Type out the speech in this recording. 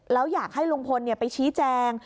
แล้วอยากให้ลุงพลไปชี้แจง